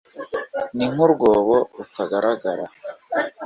ni nk urwobo rutagaragara